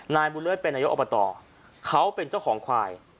นายบุญเลิศเป็นนายกอบตเขาเป็นเจ้าของควาย